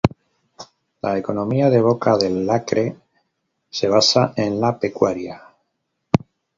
La economía de Boca del Acre se basa en la pecuaria.